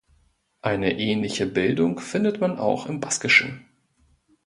Eine ähnliche Bildung findet man auch im Baskischen.